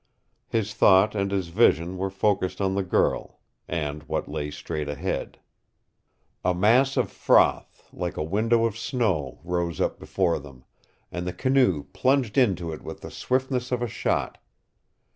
His thought and his vision were focused on the girl and what lay straight ahead. A mass of froth, like a windrow of snow, rose up before them, and the canoe plunged into it with the swiftness of a shot.